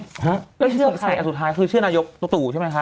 แล้วื่อใส่สุดท้ายคือเชื่อนายุบริมูลหนูตูปใช่ไหมครับ